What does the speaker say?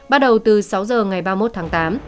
bắt đầu từ sáu h ngày ba mươi một tháng tám